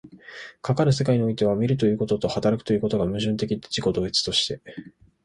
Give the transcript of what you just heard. かかる世界においては、見るということと働くということとが矛盾的自己同一として、